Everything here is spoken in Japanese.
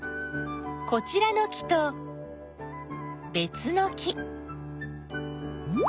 こちらの木とべつの木。